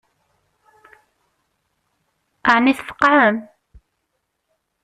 Ɛni tfeqɛem?